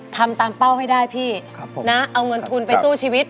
ทำตามเป้าให้ได้พี่นะเอาเงินทุนไปสู้ชีวิต